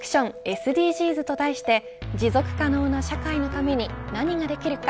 ＳＤＧｓと題して持続可能な社会のために何ができるか。